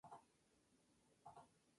Se encuentra entre Labrador y Quebec.